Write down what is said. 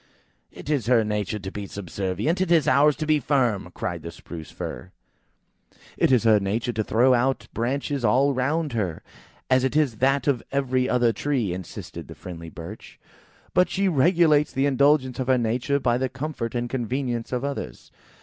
"It is her nature to be subservient, it is ours to be firm! "cried the Spruce fir. "It is her nature to throw out branches all round her, as it is that of every other tree," insisted the friendly Birch; "but she regulates the indulgence of her nature by the comfort and convenience of others."